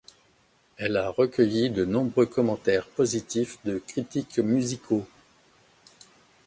Elle a recueilli de nombreux commentaires positifs de critiques musicaux.